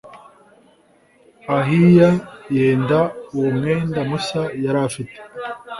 Ahiya yenda uwo mwenda mushya yari afite